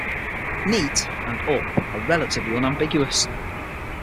"Neat" and "up" are relatively unambiguous.